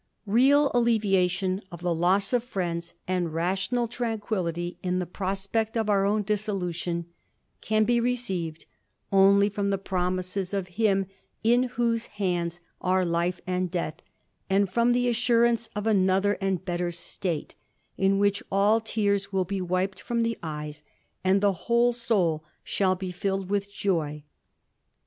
Real alleviation of the loss of friends, and rational tranquillity in the prospect of our own dissolution, can be received only from the promises of Him in whose hands are life and death, and from the assurance of another and better state, in which all tears will be wiped from the eyes, and the whole soul shall be filled with joy.